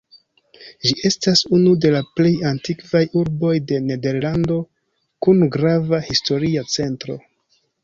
Ĝi estas unu de la plej antikvaj urboj de Nederlando kun grava historia centro.